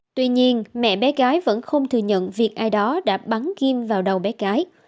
tuy nhiên mẹ bé gái vẫn không thừa nhận việc ai đó đã bắn kim vào đầu bé gái